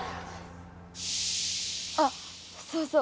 あっそうそう。